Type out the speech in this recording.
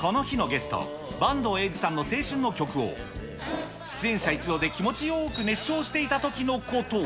この日のゲスト、板東英二さんの青春の曲を、出演者一同で気持ちよーく熱唱していたときのこと。